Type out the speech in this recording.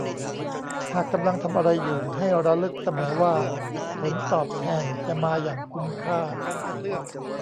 หากกำลังทำอะไรอยู่ให้ระลึกเสมอว่า ผลตอบแทนจะมาอย่างคุ้มค่า